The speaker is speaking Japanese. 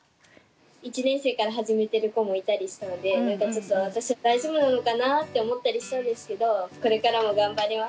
１年生から始めてる子もいたりしたので何かちょっと私は大丈夫なのかな？って思ったりしたんですけどこれからも頑張ります。